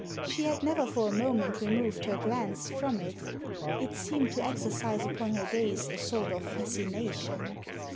She had never for a moment removed her glance from it It seemed to exercise upon her gaze a sort of fascination.